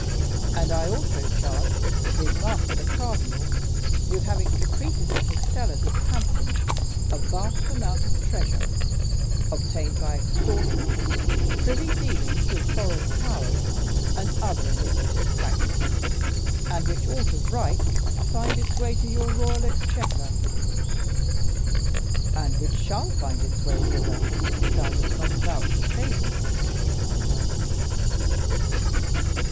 And I also charge his master the cardinal with having secreted in his cellars at Hampton a vast amount of treasure, obtained by extortion, privy dealings with foreign powers, and other iniquitous practices, and which ought of right to find its way to your royal exchequer." "'And which shall find its way thither, if thou dost not avouch a fable," replied the king.